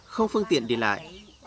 không phương tiện đi lại